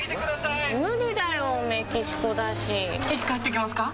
いつ帰ってきますか？